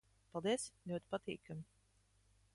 Paldies. Ļoti patīkami...